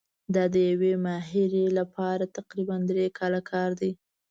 دا د یوې ماهرې لپاره تقریباً درې کاله کار دی.